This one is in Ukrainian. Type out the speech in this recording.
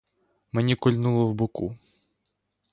Мені кольнуло в боку.